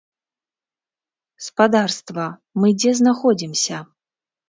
Спадарства, мы дзе знаходзімся?